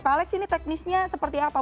pak alex ini teknisnya seperti apa